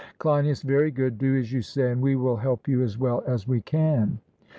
CLEINIAS: Very good; do as you say, and we will help you as well as we can.